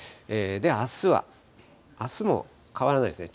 あすは、あすも変わらないですね。